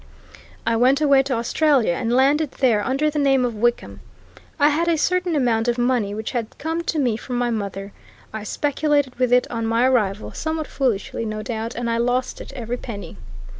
I went away to Australia and landed there under the name of Wickham. I had a certain amount of money which had come to me from my mother. I speculated with it on my arrival, somewhat foolishly, no doubt, and I lost it every penny.